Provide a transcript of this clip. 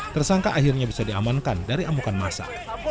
tersangka akhirnya bisa diamankan dari amukan masa